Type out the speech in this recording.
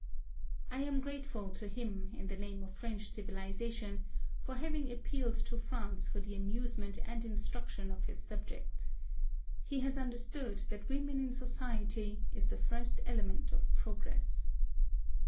I am grateful to him, in the name • of French civilisation, for having appealed to THE SUEZ CAl^AL. 75 France for the amusement and instruction of his subjects. He has understood that women in society is the first element of progress.